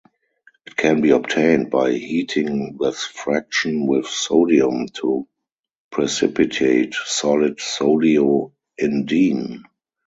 It can be obtained by heating this fraction with sodium to precipitate solid sodio-indene.